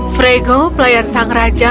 frego pelayan sang raja